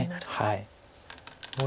はい。